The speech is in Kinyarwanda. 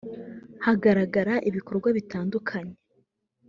hagaragara ibikorwa bitandukanye